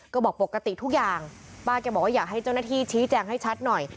ก็บอกปกติทุกอย่างป้าแกบอกว่าอยากให้เจ้าหน้าที่ชี้แจงให้ชัดหน่อย